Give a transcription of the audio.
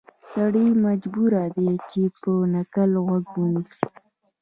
سړی مجبور دی چې پر نکل غوږ ونیسي.